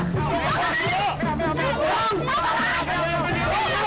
ขอบคุณครับขอบคุณครับขอบคุณครับ